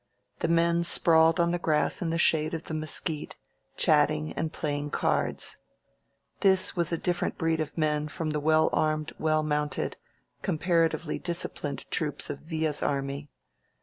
The men sprawled on the grass in the shade of the mesquite, chatting and playing cards. This was a different breed of men from the well armed, well mounted, compara tively disciplined troops of Villa's army.